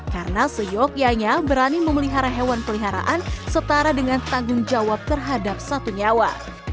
karena seyogyanya berani memelihara hewan peliharaan setara dengan tanggung jawab terhadap satu nyawa